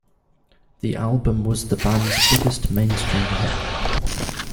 The album was the band's biggest mainstream hit.